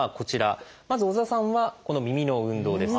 まず織田さんはこの「耳の運動」です。